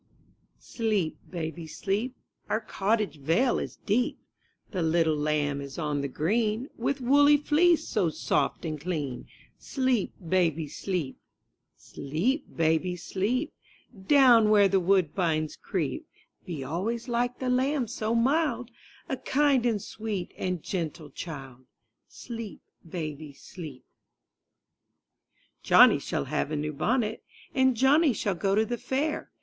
MY BOOKHOUSE CLEEP, baby, sleep* Our cottage vale is deep, The little lamb is on the green. With woolly fleece so soft and clean. Sleep, baby, sleep. Sleep, baby, sleep, Down where the woodbines creep; Be always like the lamb so mild, A kind and sweet and gentle child. Sleep, baby, sleep. JOHNNY shall have a new bonnet. And Johnny shall go to the fair.